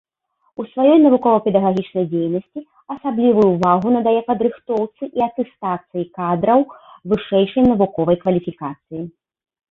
У сваёй навукова-педагагічнай дзейнасці асаблівую ўвагу надае падрыхтоўцы і атэстацыі кадраў вышэйшай навуковай кваліфікацыі.